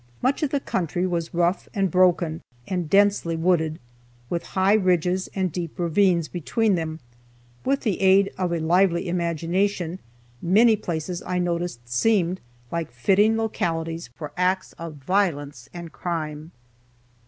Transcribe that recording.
Much of the country was rough and broken, and densely wooded, with high ridges and deep ravines between them. With the aid of a lively imagination, many places I noticed seemed like fitting localities for acts of violence and crime.